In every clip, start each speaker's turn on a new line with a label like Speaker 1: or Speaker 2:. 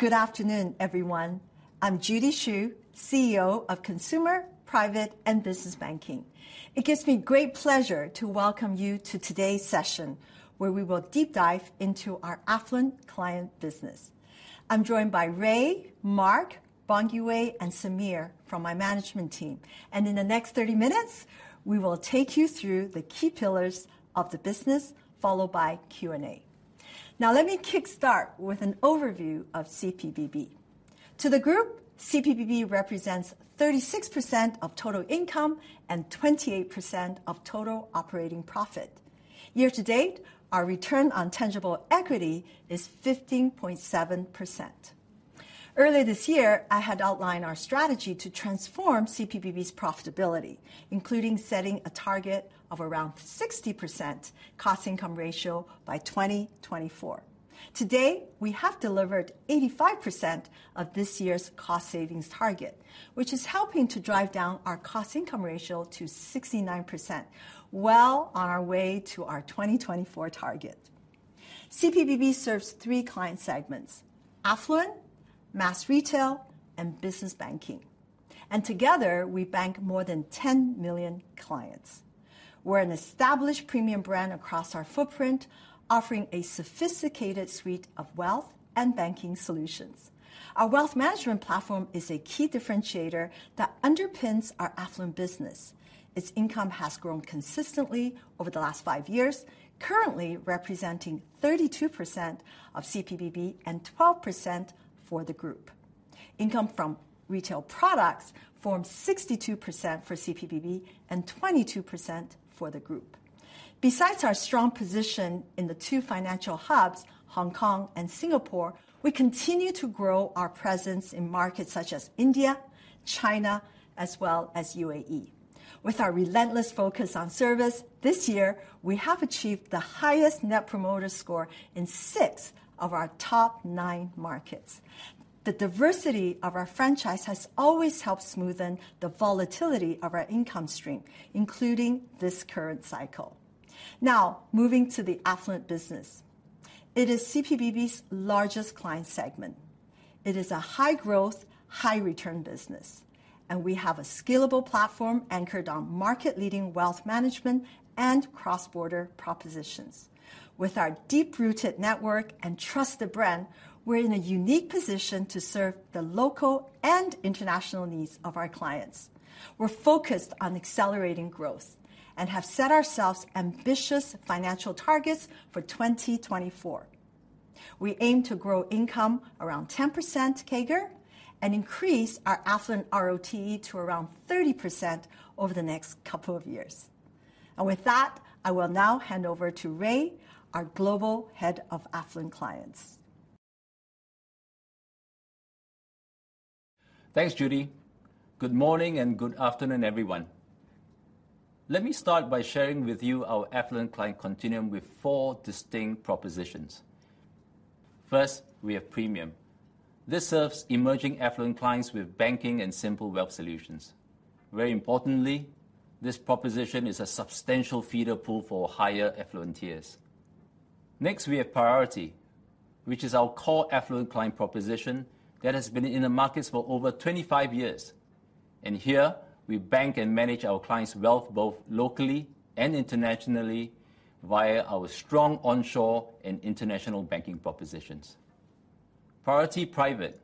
Speaker 1: Good afternoon, everyone. I'm Judy Hsu, CEO of Consumer, Private, and Business Banking. It gives me great pleasure to welcome you to today's session, where we will deep dive into our affluent client business. I'm joined by Ray, Marc, Bongiwe, and Samir from my management team, and in the next 30 minutes, we will take you through the key pillars of the business, followed by Q&A. Let me kick start with an overview of CPBB. To the group, CPBB represents 36% of total income and 28% of total operating profit. Year to date, our return on tangible equity is 15.7%. Earlier this year, I had outlined our strategy to transform CPBB's profitability, including setting a target of around 60% cost income ratio by 2024. Today, we have delivered 85% of this year's cost savings target, which is helping to drive down our cost income ratio to 69%. Well on our way to our 2024 target. CPBB serves three client segments: affluent, mass retail, and business banking. Together, we bank more than 10 million clients. We're an established premium brand across our footprint, offering a sophisticated suite of wealth and banking solutions. Our wealth management platform is a key differentiator that underpins our affluent business. Its income has grown consistently over the last five years, currently representing 32% of CPBB and 12% for the group. Income from retail products forms 62% for CPBB and 22% for the group. Besides our strong position in the two financial hubs, Hong Kong and Singapore, we continue to grow our presence in markets such as India, China, as well as UAE. With our relentless focus on service this year, we have achieved the highest Net Promoter Score in 6 of our top 9 markets. The diversity of our franchise has always helped smoothen the volatility of our income stream, including this current cycle. Now, moving to the affluent business. It is CPBB's largest client segment. It is a high-growth, high-return business, and we have a scalable platform anchored on market-leading wealth management and cross-border propositions. With our deep-rooted network and trusted brand, we're in a unique position to serve the local and international needs of our clients. We're focused on accelerating growth and have set ourselves ambitious financial targets for 2024. We aim to grow income around 10% CAGR and increase our affluent ROTE to around 30% over the next couple of years. With that, I will now hand over to Ray, our Global Head of Affluent Clients.
Speaker 2: Thanks, Judy. Good morning and good afternoon, everyone. Let me start by sharing with you our affluent client continuum with four distinct propositions. First, we have Premium. This serves emerging affluent clients with banking and simple wealth solutions. Very importantly, this proposition is a substantial feeder pool for higher affluent tiers. Next, we have Priority, which is our core affluent client proposition that has been in the markets for over 25 years. Here, we bank and manage our clients' wealth both locally and internationally via our strong onshore and international banking propositions. Priority Private,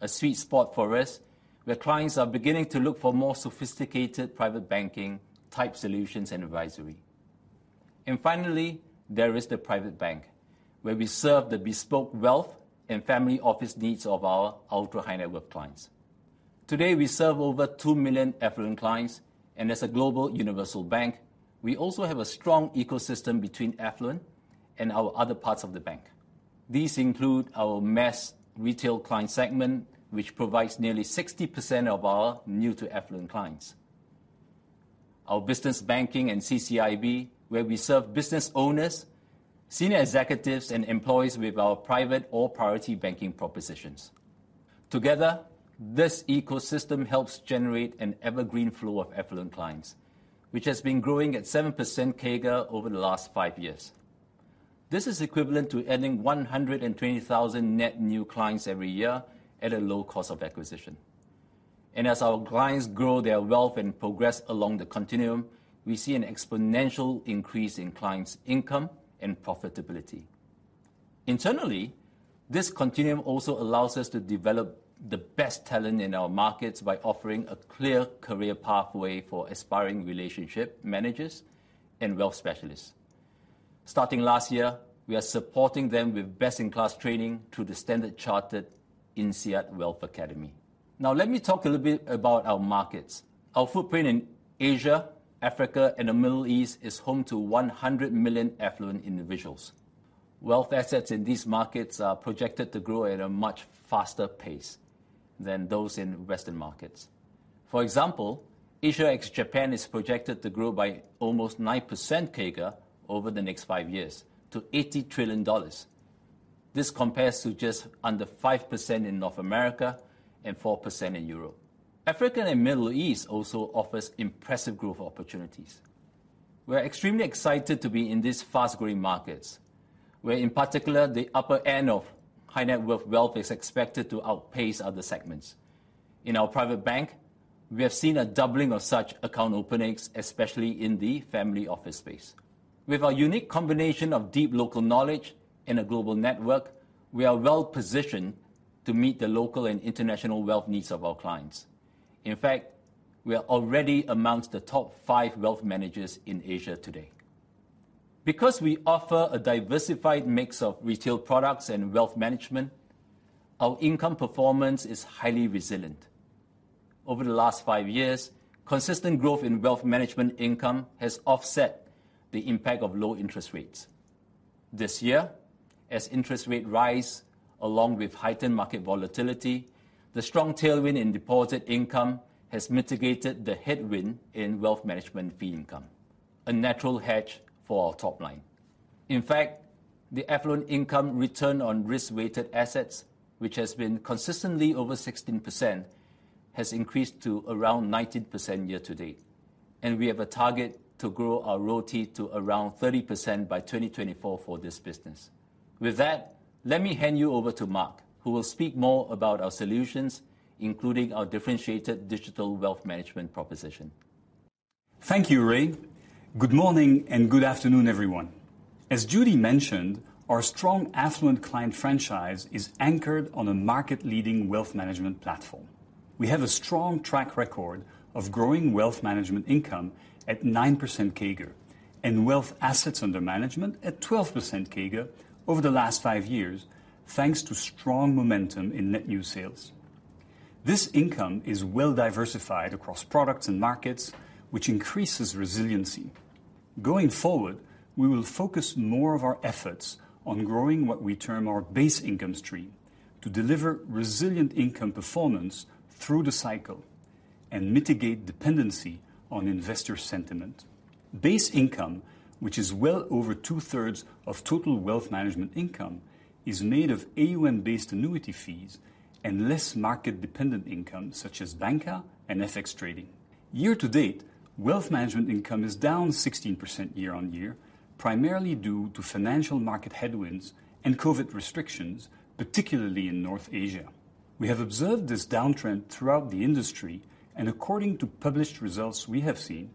Speaker 2: a sweet spot for us, where clients are beginning to look for more sophisticated private banking type solutions and advisory. Finally, there is the Private Bank, where we serve the bespoke wealth and family office needs of our ultra-high-net-worth clients. Today, we serve over 2 million affluent clients. As a global universal bank, we also have a strong ecosystem between affluent and our other parts of the bank. These include our mass retail client segment, which provides nearly 60% of our new to affluent clients. Our business banking and CCIB, where we serve business owners, senior executives, and employees with our private or priority banking propositions. Together, this ecosystem helps generate an evergreen flow of affluent clients, which has been growing at 7% CAGR over the last 5 years. This is equivalent to adding 120,000 net new clients every year at a low cost of acquisition. As our clients grow their wealth and progress along the continuum, we see an exponential increase in clients' income and profitability. Internally, this continuum also allows us to develop the best talent in our markets by offering a clear career pathway for aspiring relationship managers and wealth specialists. Starting last year, we are supporting them with best-in-class training through the Standard Chartered-INSEAD Wealth Academy. Let me talk a little bit about our markets. Our footprint in Asia, Africa, and the Middle East is home to 100 million affluent individuals. Wealth assets in these markets are projected to grow at a much faster pace than those in Western markets. For example, Asia ex-Japan is projected to grow by almost 9% CAGR over the next five years to $80 trillion. This compares to just under 5% in North America and 4% in Europe. Africa and Middle East also offers impressive growth opportunities. We are extremely excited to be in these fast-growing markets, where, in particular, the upper end of high-net-worth wealth is expected to outpace other segments. In our Private Bank, we have seen a doubling of such account openings, especially in the family office space. With our unique combination of deep local knowledge and a global network, we are well-positioned to meet the local and international wealth needs of our clients. In fact, we are already amongst the top five wealth managers in Asia today. We offer a diversified mix of retail products and wealth management, our income performance is highly resilient. Over the last five years, consistent growth in wealth management income has offset the impact of low interest rates. This year, as interest rate rise, along with heightened market volatility, the strong tailwind in deposit income has mitigated the headwind in wealth management fee income, a natural hedge for our top line. In fact, the affluent income return on risk-weighted assets, which has been consistently over 16%, has increased to around 19% year-to-date, and we have a target to grow our ROTE to around 30% by 2024 for this business. With that, let me hand you over to Marc, who will speak more about our solutions, including our differentiated digital wealth management proposition.
Speaker 3: Thank you, Ray. Good morning and good afternoon, everyone. As Judy mentioned, our strong affluent client franchise is anchored on a market-leading wealth management platform. We have a strong track record of growing wealth management income at 9% CAGR and wealth assets under management at 12% CAGR over the last five years, thanks to strong momentum in net new sales. This income is well-diversified across products and markets, which increases resiliency. Going forward, we will focus more of our efforts on growing what we term our base income stream to deliver resilient income performance through the cycle and mitigate dependency on investor sentiment. Base income, which is well over two-thirds of total wealth management income, is made of AUM-based annuity fees and less market-dependent income, such as Bancassurance and FX trading. Year-to-date, wealth management income is down 16% year-on-year, primarily due to financial market headwinds and COVID restrictions, particularly in North Asia. According to published results we have seen,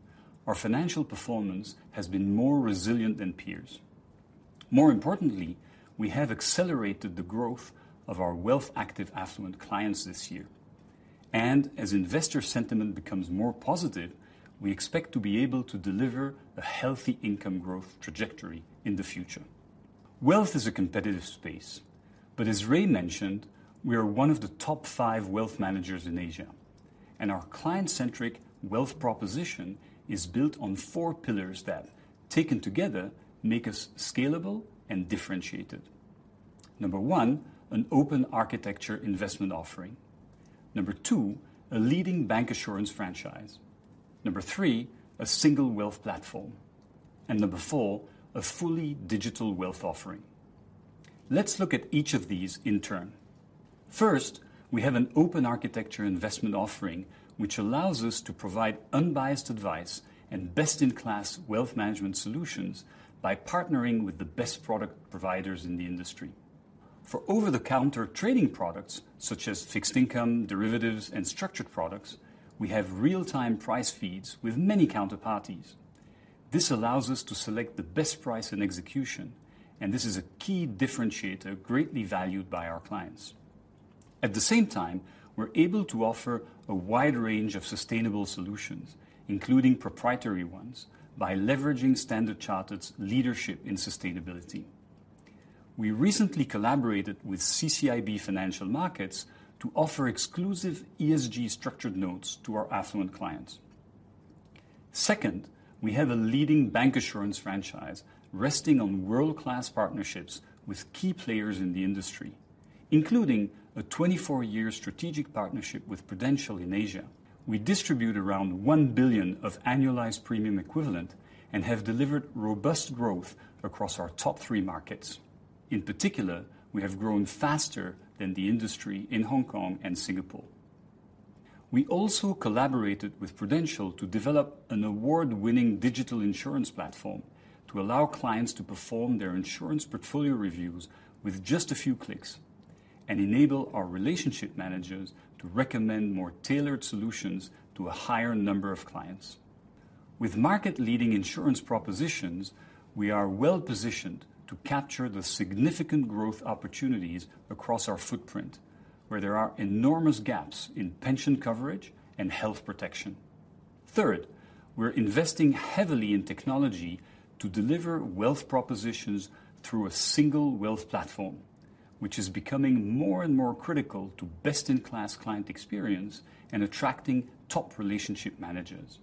Speaker 3: our financial performance has been more resilient than peers. More importantly, we have accelerated the growth of our wealth-active affluent clients this year. As investor sentiment becomes more positive, we expect to be able to deliver a healthy income growth trajectory in the future. Wealth is a competitive space. As Ray mentioned, we are one of the top five wealth managers in Asia, and our client-centric wealth proposition is built on four pillars that, taken together, make us scalable and differentiated. Number one, an open architecture investment offering. Number two, a leading bancassurance franchise. Number three, a single wealth platform. Number four, a fully digital wealth offering. Let's look at each of these in turn. First, we have an open architecture investment offering, which allows us to provide unbiased advice and best-in-class wealth management solutions by partnering with the best product providers in the industry. For over-the-counter trading products, such as fixed income, derivatives, and structured products, we have real-time price feeds with many counterparties. This allows us to select the best price and execution, and this is a key differentiator greatly valued by our clients. At the same time, we're able to offer a wide range of sustainable solutions, including proprietary ones, by leveraging Standard Chartered's leadership in sustainability. We recently collaborated with CCIB Financial Markets to offer exclusive ESG structured notes to our affluent clients. Second, we have a leading Bancassurance franchise resting on world-class partnerships with key players in the industry, including a 24-year strategic partnership with Prudential in Asia. We distribute around $1 billion of annualized premium equivalent and have delivered robust growth across our top three markets. In particular, we have grown faster than the industry in Hong Kong and Singapore. We also collaborated with Prudential to develop an award-winning digital insurance platform to allow clients to perform their insurance portfolio reviews with just a few clicks and enable our relationship managers to recommend more tailored solutions to a higher number of clients. With market-leading insurance propositions, we are well-positioned to capture the significant growth opportunities across our footprint, where there are enormous gaps in pension coverage and health protection. Third, we're investing heavily in technology to deliver wealth propositions through a single wealth platform, which is becoming more and more critical to best-in-class client experience and attracting top relationship managers.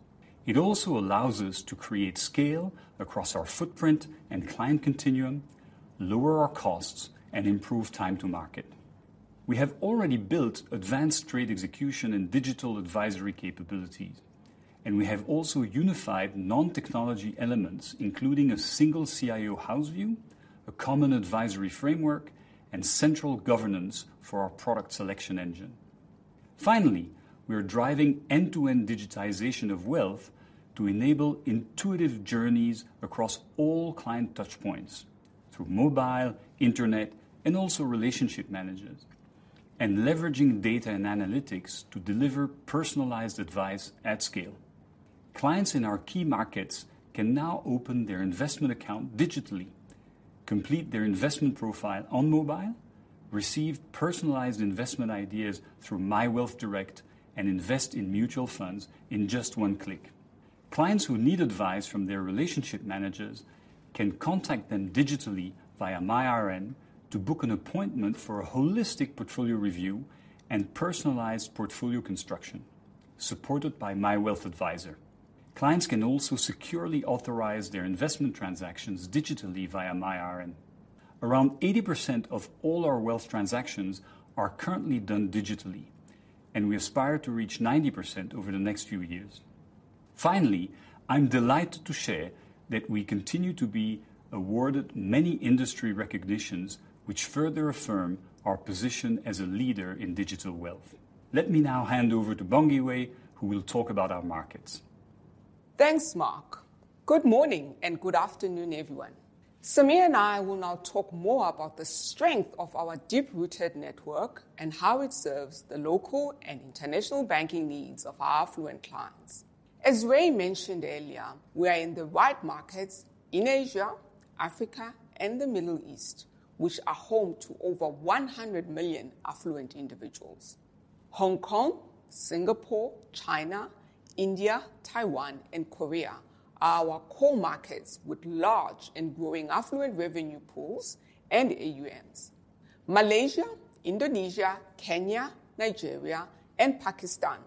Speaker 3: It also allows us to create scale across our footprint and client continuum, lower our costs, and improve time to market. We have already built advanced trade execution and digital advisory capabilities. We have also unified non-technology elements, including a single CIO house view, a common advisory framework, and central governance for our product selection engine. Finally, we are driving end-to-end digitization of wealth to enable intuitive journeys across all client touchpoints through mobile, internet, and also relationship managers, and leveraging data and analytics to deliver personalized advice at scale. Clients in our key markets can now open their investment account digitally, complete their investment profile on mobile, receive personalized investment ideas through myWealth Direct, and invest in mutual funds in just one click. Clients who need advice from their relationship managers can contact them digitally via myRM to book an appointment for a holistic portfolio review and personalized portfolio construction supported by myWealth Advisor. Clients can also securely authorize their investment transactions digitally via myRM. Around 80% of all our wealth transactions are currently done digitally, and we aspire to reach 90% over the next few years. Finally, I'm delighted to share that we continue to be awarded many industry recognitions, which further affirm our position as a leader in digital wealth. Let me now hand over to Bongiwe, who will talk about our markets.
Speaker 4: Thanks, Marc. Good morning and good afternoon, everyone. Samir and I will now talk more about the strength of our deep-rooted network and how it serves the local and international banking needs of our affluent clients. As Ray mentioned earlier, we are in the right markets in Asia, Africa, and the Middle East, which are home to over 100 million affluent individuals. Hong Kong, Singapore, China, India, Taiwan, and Korea are our core markets with large and growing affluent revenue pools and AUMs. Malaysia, Indonesia, Kenya, Nigeria, and Pakistan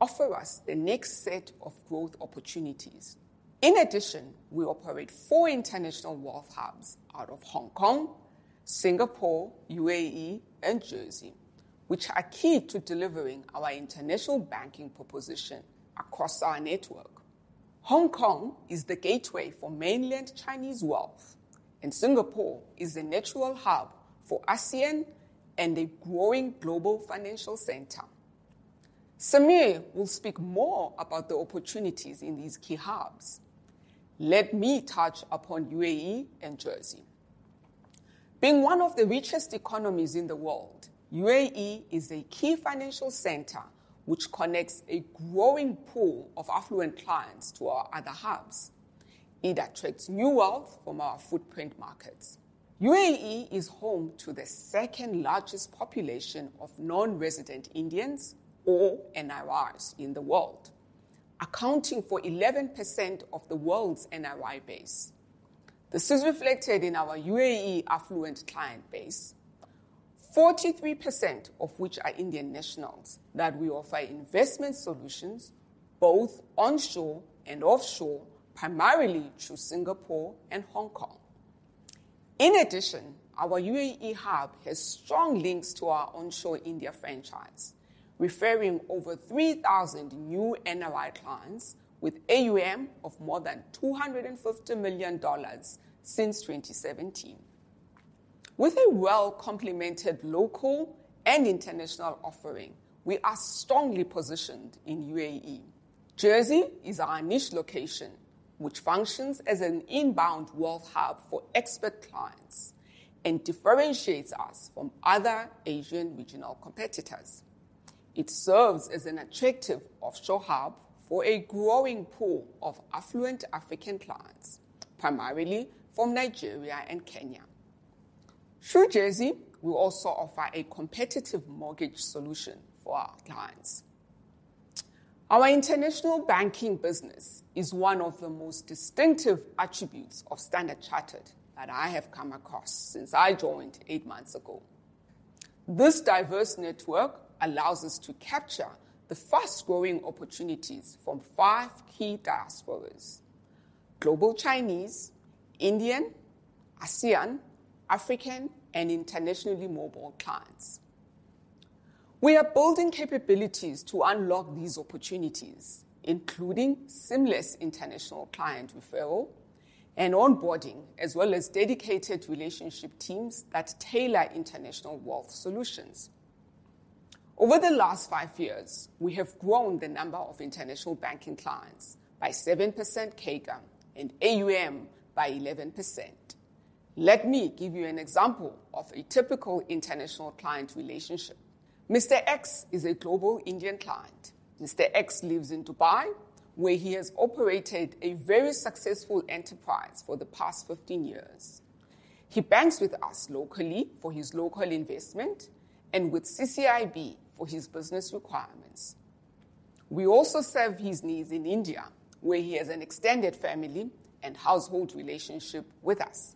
Speaker 4: offer us the next set of growth opportunities. In addition, we operate 4 international wealth hubs out of Hong Kong, Singapore, UAE, and Jersey, which are key to delivering our international banking proposition across our network. Hong Kong is the gateway for mainland Chinese wealth, and Singapore is a natural hub for ASEAN and a growing global financial center. Samir will speak more about the opportunities in these key hubs. Let me touch upon UAE and Jersey. Being one of the richest economies in the world, UAE is a key financial center which connects a growing pool of affluent clients to our other hubs. It attracts new wealth from our footprint markets. UAE is home to the second-largest population of non-resident Indians, or NRIs in the world, accounting for 11% of the world's NRI base. This is reflected in our UAE affluent client base, 43% of which are Indian nationals that we offer investment solutions both onshore and offshore, primarily through Singapore and Hong Kong. In addition, our UAE hub has strong links to our onshore India franchise, referring over 3,000 new NRI clients with AUM of more than $250 million since 2017. With a well-complemented local and international offering, we are strongly positioned in UAE. Jersey is our niche location, which functions as an inbound wealth hub for expert clients and differentiates us from other Asian regional competitors. It serves as an attractive offshore hub for a growing pool of affluent African clients, primarily from Nigeria and Kenya. Through Jersey, we also offer a competitive mortgage solution for our clients. Our international banking business is one of the most distinctive attributes of Standard Chartered that I have come across since I joined eight months ago. This diverse network allows us to capture the fast-growing opportunities from five key diasporas: global Chinese, Indian, ASEAN, African, and internationally mobile clients. We are building capabilities to unlock these opportunities, including seamless international client referral and onboarding, as well as dedicated relationship teams that tailor international wealth solutions. Over the last 5 years, we have grown the number of international banking clients by 7% CAGR and AUM by 11%. Let me give you an example of a typical international client relationship. Mr. X is a global Indian client. Mr. X lives in Dubai, where he has operated a very successful enterprise for the past 15 years. He banks with us locally for his local investment and with CCIB for his business requirements. We also serve his needs in India, where he has an extended family and household relationship with us.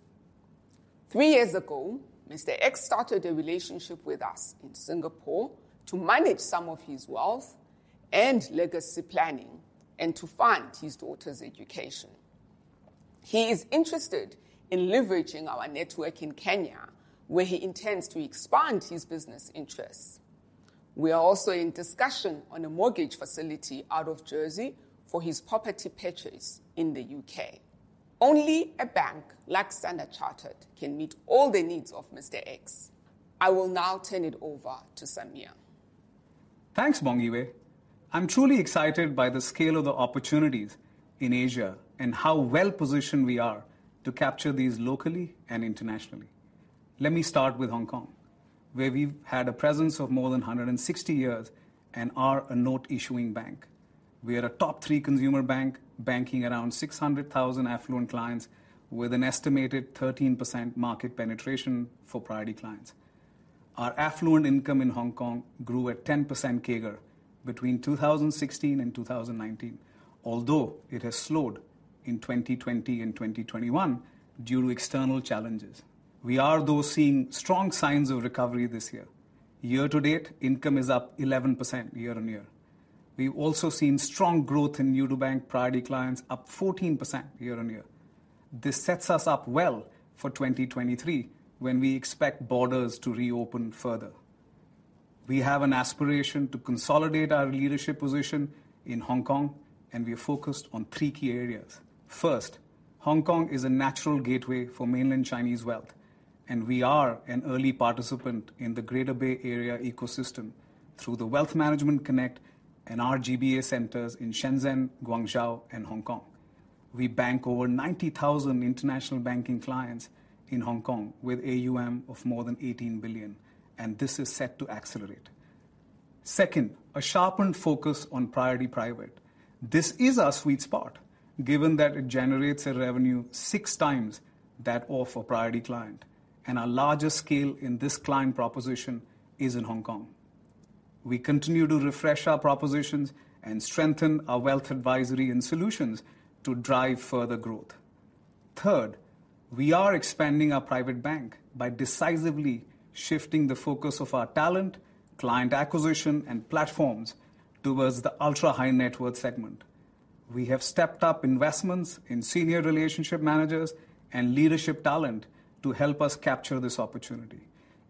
Speaker 4: 3 years ago, Mr. X started a relationship with us in Singapore to manage some of his wealth and legacy planning and to fund his daughter's education. He is interested in leveraging our network in Kenya, where he intends to expand his business interests. We are also in discussion on a mortgage facility out of Jersey for his property purchase in the U.K. Only a bank like Standard Chartered can meet all the needs of Mr. X. I will now turn it over to Samir.
Speaker 5: Thanks, Bongiwe. I'm truly excited by the scale of the opportunities in Asia and how well-positioned we are to capture these locally and internationally. Let me start with Hong Kong, where we've had a presence of more than 160 years and are a note-issuing bank. We are a top three consumer bank, banking around 600,000 affluent clients with an estimated 13% market penetration for priority clients. Our affluent income in Hong Kong grew at 10% CAGR between 2016 and 2019, although it has slowed in 2020 and 2021 due to external challenges. We are, though, seeing strong signs of recovery this year. Year to date, income is up 11% year-on-year. We've also seen strong growth in new to bank priority clients, up 14% year-on-year. This sets us up well for 2023, when we expect borders to reopen further. We have an aspiration to consolidate our leadership position in Hong Kong, and we are focused on 3 key areas. First, Hong Kong is a natural gateway for mainland Chinese wealth, and we are an early participant in the Greater Bay Area ecosystem through the Wealth Management Connect and our GBA centers in Shenzhen, Guangzhou, and Hong Kong. We bank over 90,000 international banking clients in Hong Kong with AUM of more than $18 billion, and this is set to accelerate. Second, a sharpened focus on Priority Private. This is our sweet spot, given that it generates a revenue 6 times that of a priority client, and our largest scale in this client proposition is in Hong Kong. We continue to refresh our propositions and strengthen our wealth advisory and solutions to drive further growth. We are expanding our Private Bank by decisively shifting the focus of our talent, client acquisition, and platforms towards the ultra-high-net-worth segment. We have stepped up investments in senior relationship managers and leadership talent to help us capture this opportunity.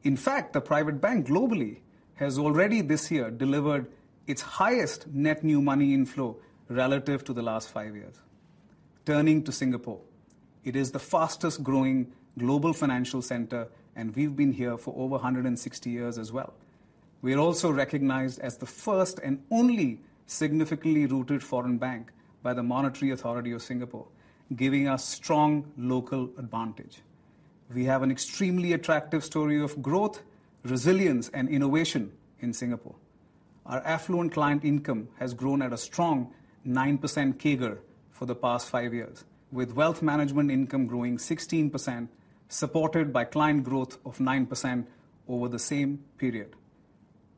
Speaker 5: In fact, the Private Bank globally has already this year delivered its highest net new money inflow relative to the last five years. Turning to Singapore, it is the fastest-growing global financial center, and we've been here for over 160 years as well. We are also recognized as the first and only significantly rooted foreign bank by the Monetary Authority of Singapore, giving us strong local advantage. We have an extremely attractive story of growth, resilience, and innovation in Singapore. Our affluent client income has grown at a strong 9% CAGR for the past five years, with wealth management income growing 16%, supported by client growth of 9% over the same period.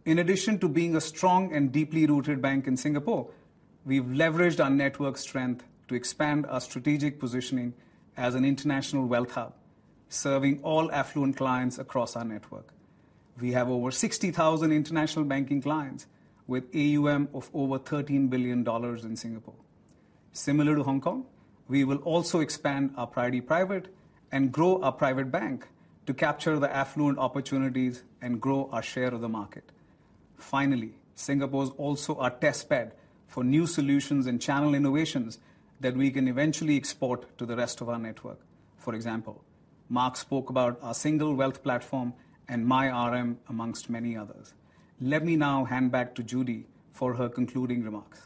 Speaker 5: In addition to being a strong and deeply rooted bank in Singapore, we've leveraged our network strength to expand our strategic positioning as an international wealth hub, serving all affluent clients across our network. We have over 60,000 international banking clients with AUM of over $13 billion in Singapore. Similar to Hong Kong, we will also expand our Priority Private and grow our Private Bank to capture the affluent opportunities and grow our share of the market. Singapore is also our test bed for new solutions and channel innovations that we can eventually export to the rest of our network. For example, Marc spoke about our single wealth platform and myRM, amongst many others. Let me now hand back to Judy for her concluding remarks.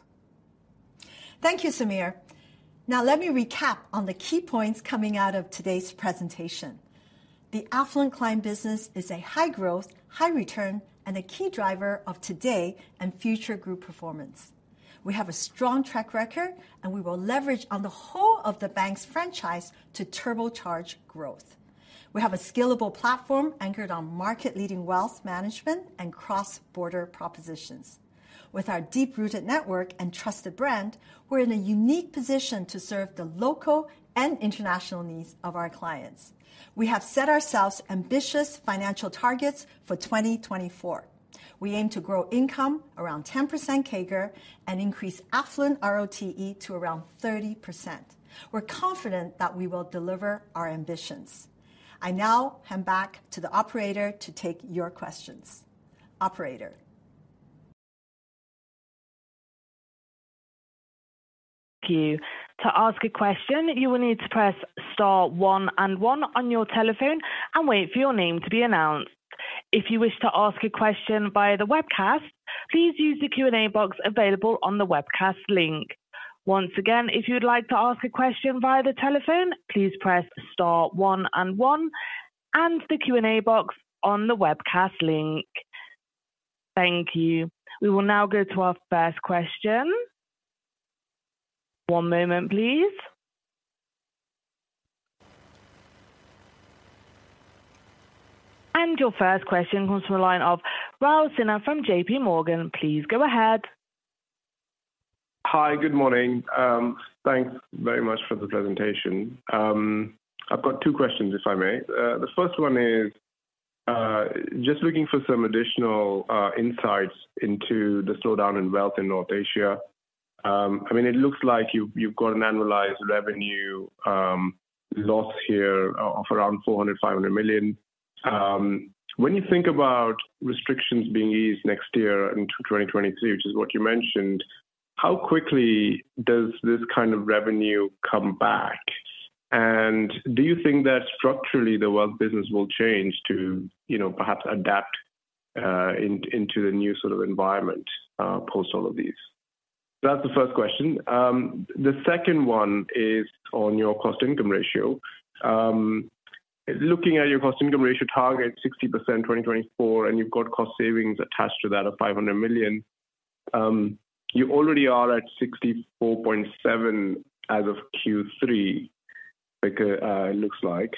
Speaker 1: Thank you, Samir. Let me recap on the key points coming out of today's presentation. The affluent client business is a high-growth, high-return, and a key driver of today and future group performance. We have a strong track record, we will leverage on the whole of the bank's franchise to turbocharge growth. We have a scalable platform anchored on market-leading wealth management and cross-border propositions. With our deep-rooted network and trusted brand, we're in a unique position to serve the local and international needs of our clients. We have set ourselves ambitious financial targets for 2024. We aim to grow income around 10% CAGR and increase affluent ROTE to around 30%. We're confident that we will deliver our ambitions. I now hand back to the operator to take your questions. Operator?
Speaker 6: Thank you. To ask a question, you will need to press star one and one on your telephone and wait for your name to be announced. If you wish to ask a question via the webcast, please use the Q&A box available on the webcast link. Once again, if you'd like to ask a question via the telephone, please press star one and one and the Q&A box on the webcast link. Thank you. We will now go to our first question. One moment, please. Your first question comes from the line of Rahul Sinha from JPMorgan. Please go ahead.
Speaker 7: Hi. Good morning. Thanks very much for the presentation. I've got two questions, if I may. The first one is just looking for some additional insights into the slowdown in wealth in North Asia. I mean, it looks like you've got an annualized revenue loss here of around $400 million-$500 million. When you think about restrictions being eased next year into 2023, which is what you mentioned, how quickly does this kind of revenue come back? Do you think that structurally the wealth business will change to, you know, perhaps adapt into the new sort of environment post all of these? That's the first question. The second one is on your cost-income ratio. Looking at your cost-income ratio target 60% 2024, you've got cost savings attached to that of $500 million, you already are at 64.7% as of Q3, like, it looks like.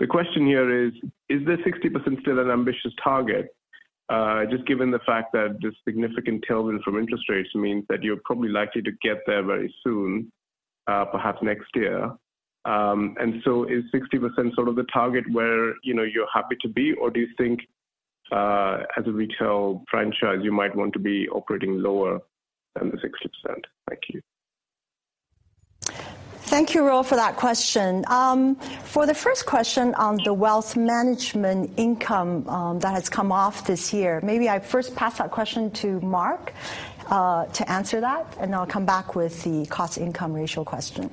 Speaker 7: The question here is the 60% still an ambitious target? Just given the fact that the significant tailwind from interest rates means that you're probably likely to get there very soon, perhaps next year. Is 60% sort of the target where, you know, you're happy to be, or do you think, as a retail franchise, you might want to be operating lower than the 60%? Thank you.
Speaker 1: Thank you, Rahul, for that question. For the first question on the wealth management income, that has come off this year, maybe I first pass that question to Marc, to answer that, and I'll come back with the cost income ratio question.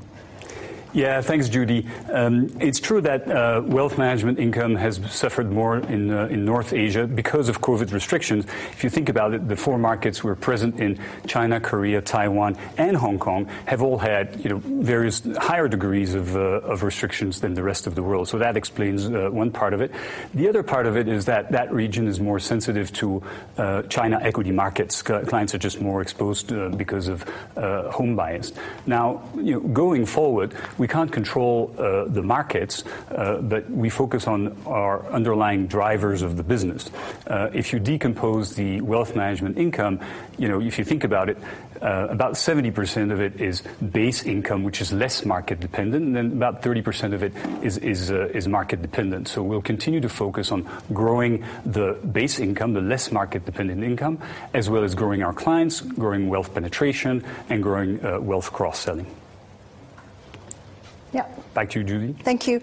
Speaker 3: Yeah. Thanks, Judy. It's true that wealth management income has suffered more in North Asia because of COVID restrictions. If you think about it, the 4 markets we're present in China, Korea, Taiwan, and Hong Kong have all had, you know, various higher degrees of restrictions than the rest of the world. That explains one part of it. The other part of it is that that region is more sensitive to China equity markets. Clients are just more exposed because of home bias. You know, going forward, we can't control the markets, but we focus on our underlying drivers of the business. If you decompose the wealth management income, you know, if you think about it, about 70% of it is base income, which is less market-dependent, and then about 30% of it is market-dependent. We'll continue to focus on growing the base income, the less market-dependent income, as well as growing our clients, growing wealth penetration, and growing wealth cross-selling.
Speaker 1: Yeah.
Speaker 3: Back to you, Judy.
Speaker 1: Thank you.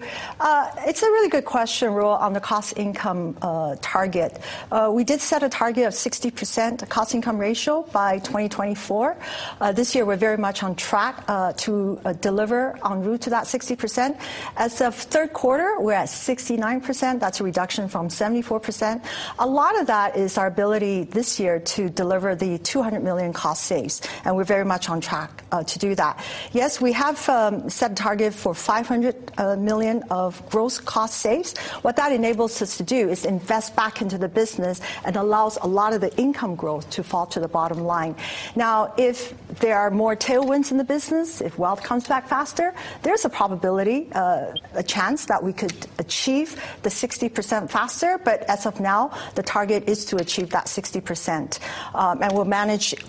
Speaker 1: It's a really good question, Rahul, on the cost income target. We did set a target of 60% cost income ratio by 2024. This year we're very much on track to deliver en route to that 60%. As of third quarter, we're at 69%. That's a reduction from 74%. A lot of that is our ability this year to deliver the $200 million cost saves, and we're very much on track to do that. Yes, we have set a target for $500 million of gross cost saves. What that enables us to do is invest back into the business and allows a lot of the income growth to fall to the bottom line. If there are more tailwinds in the business, if wealth comes back faster, there's a probability, a chance that we could achieve the 60% faster, but as of now, the target is to achieve that 60%.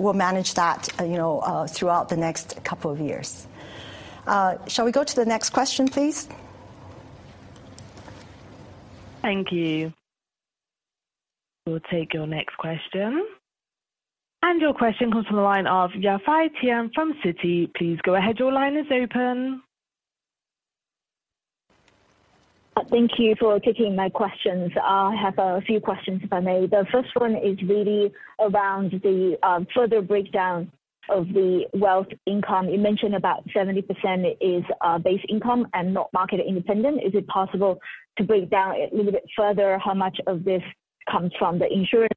Speaker 1: We'll manage that, you know, throughout the next couple of years. Shall we go to the next question, please?
Speaker 6: Thank you. We'll take your next question. Your question comes from the line of Yafei Tian from Citi. Please go ahead. Your line is open.
Speaker 8: Thank you for taking my questions. I have a few questions, if I may. The first one is really around the further breakdown of the wealth income. You mentioned about 70% is base income and not market independent. Is it possible to break down a little bit further how much of this comes from the insurance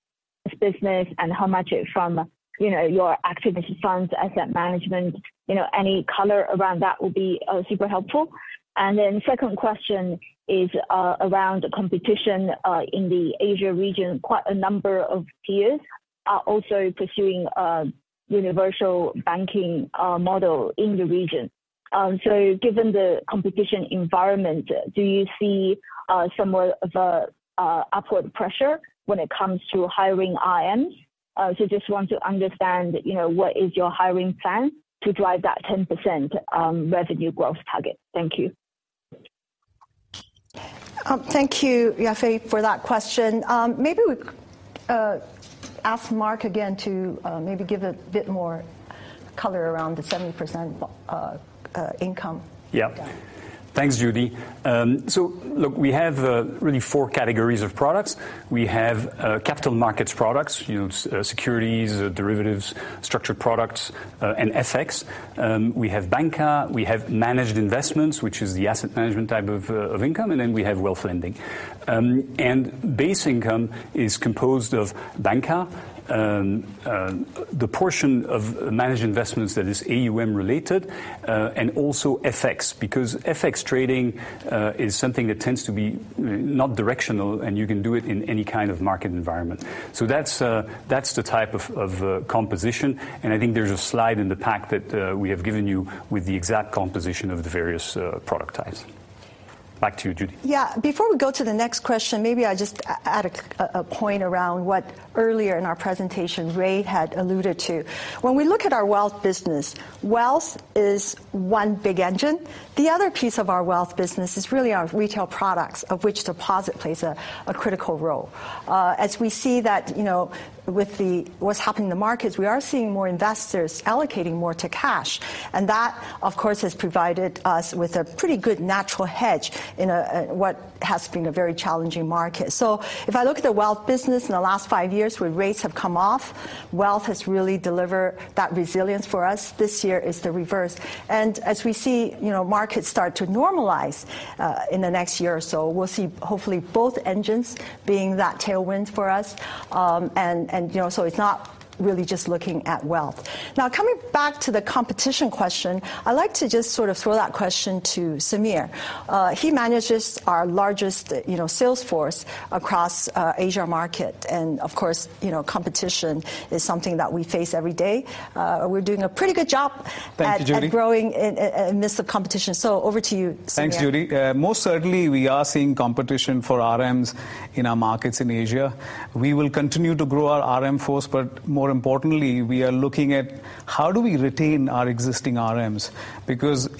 Speaker 8: business and how much is from, you know, your activity funds, asset management? You know, any color around that will be super helpful. second question is around competition in the Asia region. Quite a number of peers are also pursuing universal banking model in the region. given the competition environment, do you see some of upward pressure when it comes to hiring RMs? Just want to understand, you know, what is your hiring plan to drive that 10% revenue growth target? Thank you.
Speaker 1: Thank you, Yafei, for that question. Maybe we ask Marc again to maybe give a bit more color around the 70% income.
Speaker 3: Yeah. Thanks, Judy. Look, we have really four categories of products. We have capital markets products, you know, securities, derivatives, structured products, and FX. We have banker, we have managed investments, which is the asset management type of income, and then we have wealth lending. Base income is composed of banker, the portion of managed investments that is AUM-related, and also FX, because FX trading is something that tends to be not directional, and you can do it in any kind of market environment. That's the type of composition, and I think there's a slide in the pack that we have given you with the exact composition of the various product types. Back to you, Judy.
Speaker 1: Yeah, before we go to the next question, maybe I just add a point around what earlier in our presentation Ray had alluded to. When we look at our wealth business, wealth is one big engine. The other piece of our wealth business is really our retail products, of which deposit plays a critical role. As we see that, you know, with what's happening in the markets, we are seeing more investors allocating more to cash, and that, of course, has provided us with a pretty good natural hedge in a very challenging market. If I look at the wealth business in the last five years, where rates have come off, wealth has really delivered that resilience for us. This year it's the reverse. As we see, you know, markets start to normalize in the next year or so, we'll see hopefully both engines being that tailwind for us. You know, so it's not really just looking at wealth. Now, coming back to the competition question, I like to just sort of throw that question to Samir. He manages our largest, you know, sales force across Asia market. Of course, you know, competition is something that we face every day. We're doing a pretty good job-
Speaker 5: Thank you, Judy.
Speaker 1: at growing amidst the competition. Over to you, Samir.
Speaker 5: Thanks, Judy. Most certainly we are seeing competition for RMs in our markets in Asia. We will continue to grow our RM force, more importantly, we are looking at how do we retain our existing RMs?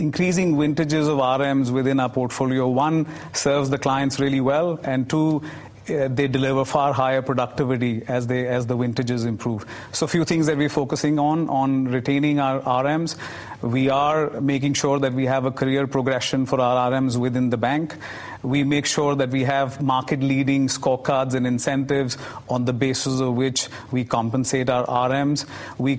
Speaker 5: Increasing vintages of RMs within our portfolio, one, serves the clients really well, and two, they deliver far higher productivity as the vintages improve. A few things that we're focusing on retaining our RMs. We are making sure that we have a career progression for our RMs within the bank. We make sure that we have market-leading scorecards and incentives on the basis of which we compensate our RMs. We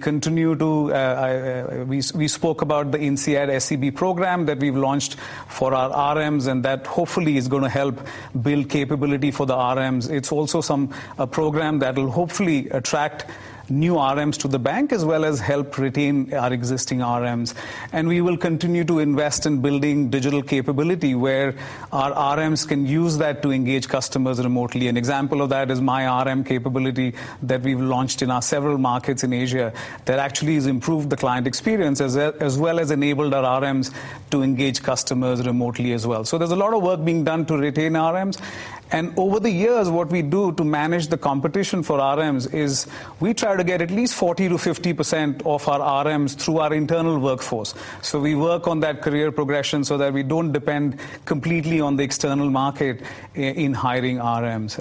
Speaker 5: spoke about the INSEAD SCB program that we've launched for our RMs, that hopefully is gonna help build capability for the RMs. It's also a program that will hopefully attract new RMs to the bank, as well as help retain our existing RMs. We will continue to invest in building digital capability where our RMs can use that to engage customers remotely. An example of that is myRM capability that we've launched in our several markets in Asia that actually has improved the client experience, as well, as well as enabled our RMs to engage customers remotely as well. There's a lot of work being done to retain RMs. Over the years, what we do to manage the competition for RMs is we try to get at least 40%-50% of our RMs through our internal workforce. We work on that career progression so that we don't depend completely on the external market in hiring RMs.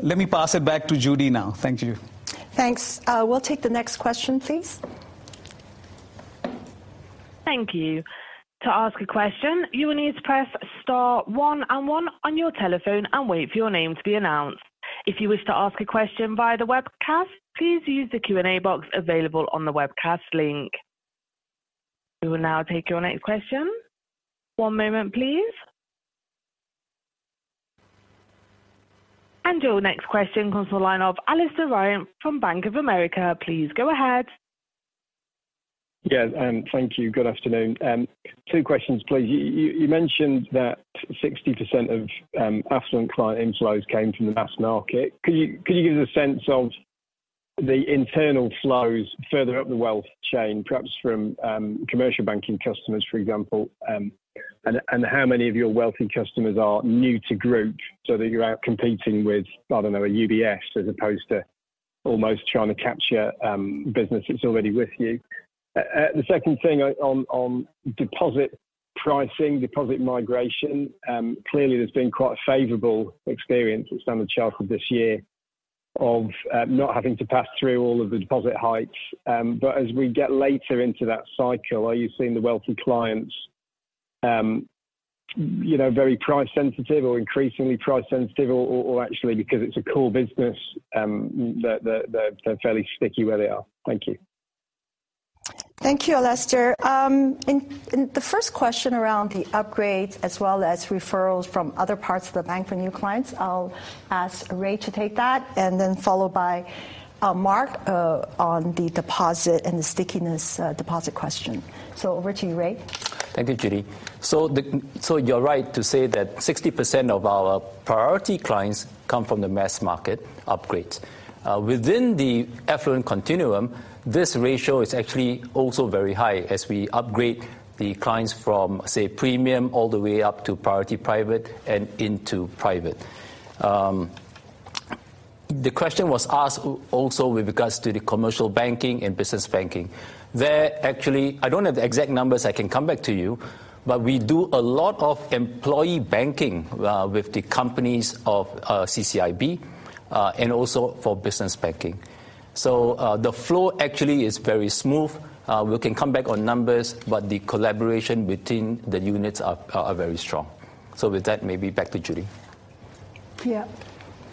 Speaker 5: Let me pass it back to Judy now. Thank you.
Speaker 1: Thanks. We'll take the next question, please.
Speaker 6: Thank you. To ask a question, you will need to press star one and one on your telephone and wait for your name to be announced. If you wish to ask a question via the webcast, please use the Q&A box available on the webcast link. We will now take your next question. One moment, please. Your next question comes from the line of Alastair Ryan from Bank of America. Please go ahead.
Speaker 9: Yeah, thank you. Good afternoon. Two questions, please. You mentioned that 60% of affluent client inflows came from the mass market. Could you give us a sense of the internal flows further up the wealth chain, perhaps from commercial banking customers, for example? How many of your wealthy customers are new to group so that you're out competing with, I don't know, a UBS as opposed to almost trying to capture business that's already with you. The second thing on deposit pricing, deposit migration, clearly there's been quite a favorable experience at Standard Chartered this year of not having to pass through all of the deposit hikes. As we get later into that cycle, are you seeing the wealthy clients, you know, very price sensitive or increasingly price sensitive or actually because it's a core business, they're fairly sticky where they are? Thank you.
Speaker 1: Thank you, Alastair. In the first question around the upgrades as well as referrals from other parts of the bank for new clients, I'll ask Ray to take that and then followed by, Marc, on the deposit and the stickiness, deposit question. Over to you, Ray.
Speaker 2: Thank you, Judy. You're right to say that 60% of our Priority clients come from the mass market upgrades. Within the affluent continuum, this ratio is actually also very high as we upgrade the clients from, say, Premium all the way up to Priority Private and into Private. The question was asked also with regards to the commercial banking and business banking. There, actually, I don't have the exact numbers, I can come back to you, but we do a lot of employee banking with the companies of CCIB and also for business banking. The flow actually is very smooth. We can come back on numbers, but the collaboration between the units are very strong. With that, maybe back to Judy.
Speaker 1: Yeah.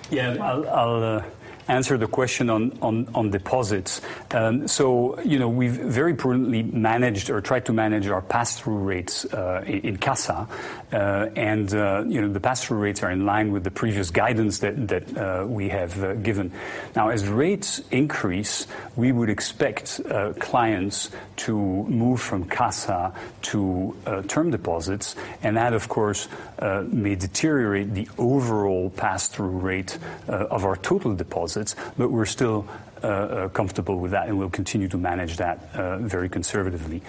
Speaker 3: Yeah. I'll answer the question on deposits. You know, we've very prudently managed or tried to manage our pass-through rates in CASA. You know, the pass-through rates are in line with the previous guidance that we have given. As rates increase, we would expect clients to move from CASA to term deposits. That, of course, may deteriorate the overall pass-through rate of our total deposits, but we're still comfortable with that, and we'll continue to manage that very conservatively.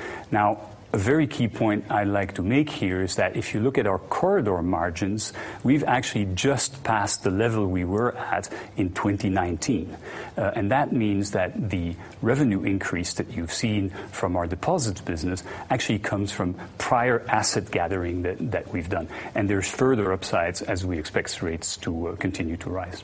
Speaker 3: A very key point I like to make here is that if you look at our corridor margins, we've actually just passed the level we were at in 2019. That means that the revenue increase that you've seen from our deposits business actually comes from prior asset gathering that we've done. There's further upsides as we expect rates to continue to rise.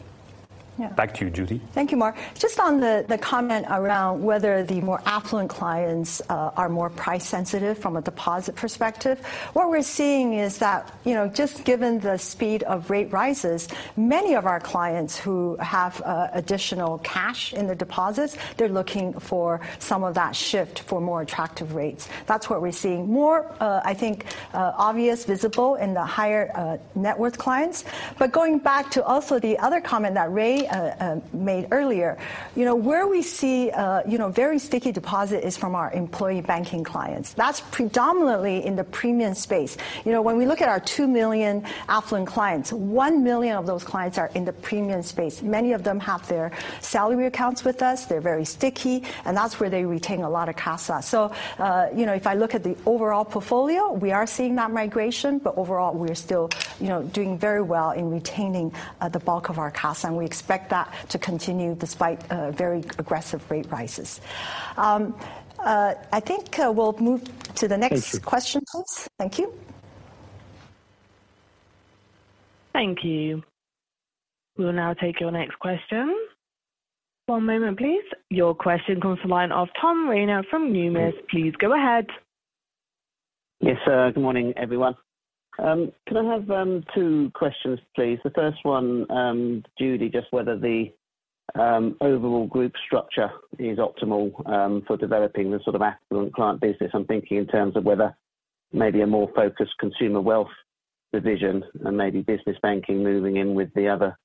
Speaker 3: Back to you, Judy.
Speaker 1: Thank you, Marc. Just on the comment around whether the more affluent clients are more price sensitive from a deposit perspective. What we're seeing is that, you know, just given the speed of rate rises, many of our clients who have additional cash in their deposits, they're looking for some of that shift for more attractive rates. That's what we're seeing more, I think, obvious, visible in the higher net worth clients. Going back to also the other comment that Ray made earlier, you know, where we see, you know, very sticky deposit is from our employee banking clients. That's predominantly in the Premium Banking space. You know, when we look at our 2 million affluent clients, 1 million of those clients are in the Premium Banking space. Many of them have their salary accounts with us. They're very sticky, and that's where they retain a lot of CASA. You know, if I look at the overall portfolio, we are seeing that migration, but overall we're still, you know, doing very well in retaining, the bulk of our CASA, and we expect that to continue despite, very aggressive rate rises. I think, we'll move to the next question, please. Thank you.
Speaker 6: Thank you. We'll now take your next question. One moment, please. Your question comes from the line of Tom Rayner from Numis. Please go ahead.
Speaker 10: Yes, good morning, everyone. Could I have two questions, please? The first one, Judy Hsu, just whether the overall group structure is optimal for developing the sort of affluent client business. I'm thinking in terms of whether maybe a more focused consumer wealth division and maybe business banking moving in with the other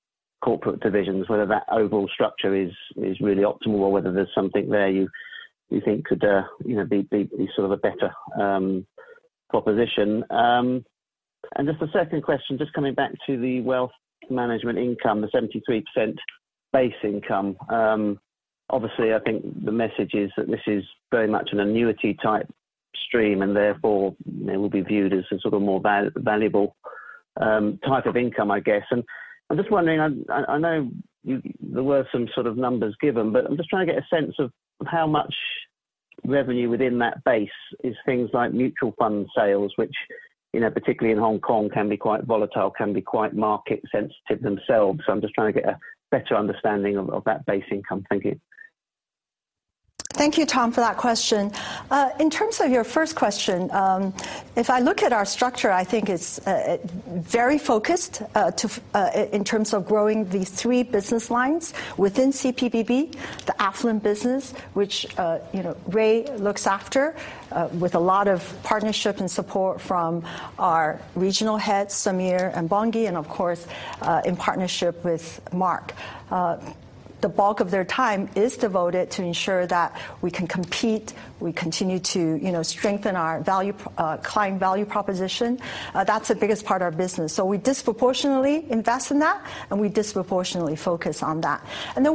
Speaker 10: corporate divisions, whether that overall structure is really optimal or whether there's something there you know, could be sort of a better proposition. Just the second question, just coming back to the wealth management income, the 73% base income. Obviously, I think the message is that this is very much an annuity type stream and therefore it will be viewed as a sort of more valuable type of income, I guess. I'm just wondering, I know you there were some sort of numbers given, but I'm just trying to get a sense of how much revenue within that base is things like mutual fund sales, which, you know, particularly in Hong Kong, can be quite volatile, can be quite market sensitive themselves. I'm just trying to get a better understanding of that base income. Thank you.
Speaker 1: Thank you, Tom, for that question. In terms of your first question, if I look at our structure, I think it's very focused in terms of growing these three business lines within CPBB, the affluent business, which, you know, Ray looks after with a lot of partnership and support from our regional heads, Samir and Bongi, and of course, in partnership with Marc. The bulk of their time is devoted to ensure that we can compete. We continue to, you know, strengthen our client value proposition. That's the biggest part of our business. So we disproportionately invest in that, and we disproportionately focus on that.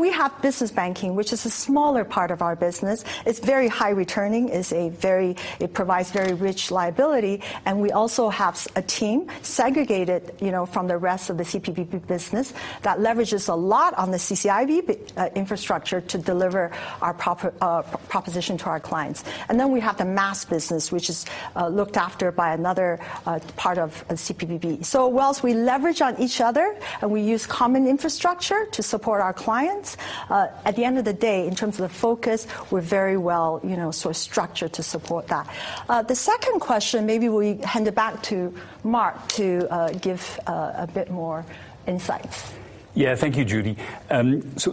Speaker 1: We have business banking, which is a smaller part of our business. It's very high returning. It provides very rich liability. We also have a team segregated, you know, from the rest of the CPBB business that leverages a lot on the CCIB infrastructure to deliver our proposition to our clients. Then we have the mass business, which is looked after by another part of CPBB. Whilst we leverage on each other and we use common infrastructure to support our clients, at the end of the day, in terms of the focus, we're very well, you know, sort of structured to support that. The second question, maybe we hand it back to Marc to give a bit more insight.
Speaker 3: Thank you, Judy.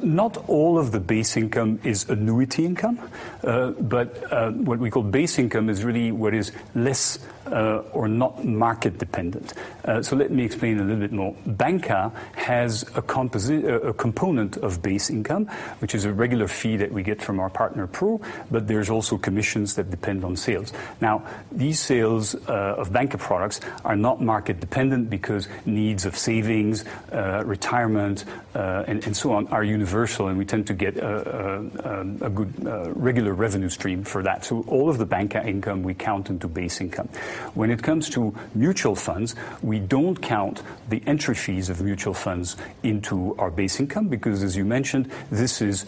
Speaker 3: Not all of the base income is annuity income, but what we call base income is really what is less or not market dependent. Let me explain a little bit more. Banker has a component of base income, which is a regular fee that we get from our partner pool, but there's also commissions that depend on sales. Now, these sales of banker products are not market dependent because needs of savings, retirement, and so on are universal, and we tend to get a good regular revenue stream for that. All of the banker income we count into base income. When it comes to mutual funds, we don't count the entry fees of mutual funds into our base income because as you mentioned, this is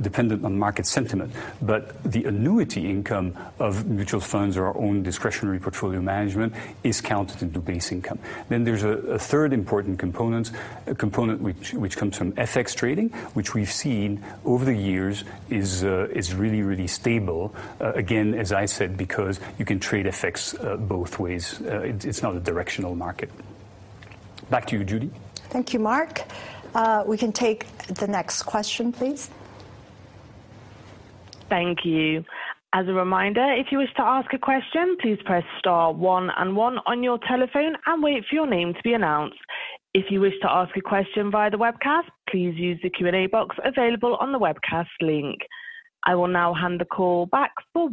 Speaker 3: dependent on market sentiment. The annuity income of mutual funds or our own discretionary portfolio management is counted into base income. There's a third important component, a component which comes from FX trading, which we've seen over the years is really, really stable. Again, as I said, because you can trade FX both ways. It's not a directional market. Back to you, Judy.
Speaker 1: Thank you, Marc. We can take the next question, please.
Speaker 6: Thank you. As a reminder, if you wish to ask a question, please press star one and one on your telephone and wait for your name to be announced. If you wish to ask a question via the webcast, please use the Q&A box available on the webcast link. I will now hand the call back for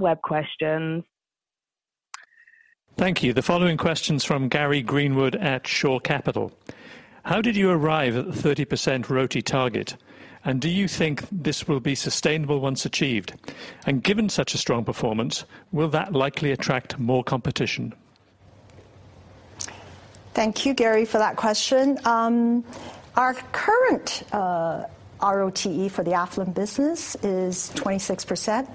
Speaker 6: web questions.
Speaker 11: Thank you. The following question's from Gary Greenwood at Shore Capital. How did you arrive at the 30% ROTE target? Do you think this will be sustainable once achieved? Given such a strong performance, will that likely attract more competition?
Speaker 1: Thank you, Gary, for that question. Our current ROTE for the affluent business is 26%.